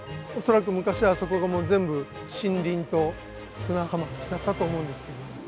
恐らく昔はあそこがもう全部森林と砂浜だったと思うんですけども。